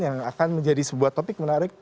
yang akan menjadi sebuah topik menarik